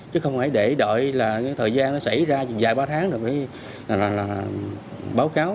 chứ không phải để đợi thời gian nó xảy ra dài ba tháng rồi mới báo cáo